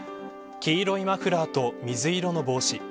黄色いマフラーと水色の帽子